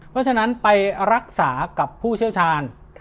เพราะฉะนั้นไปรักษากับผู้เชี่ยวชาญ